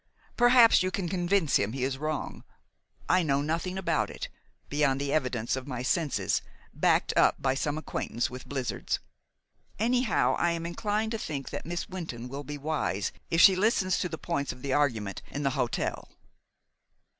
Perhaps you can convince him he is wrong. I know nothing about it, beyond the evidence of my senses, backed up by some acquaintance with blizzards. Anyhow, I am inclined to think that Miss Wynton will be wise if she listens to the points of the argument in the hotel."